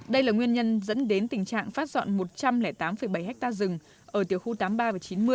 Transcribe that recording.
đây là nguyên nhân dẫn đến tình trạng phát dọn một trăm linh tám bảy ha rừng ở tiểu khu tám mươi ba và chín mươi